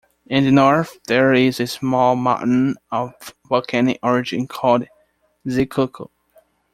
In the north there is a small mountain of volcanic origin called Xicuco.